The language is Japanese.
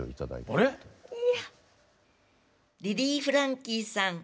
「リリー・フランキーさん